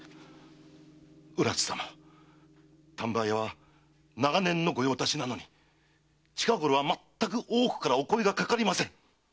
浦瀬さま丹波屋は長年の御用達なのに近ごろはまったく大奥からお声がかかりません！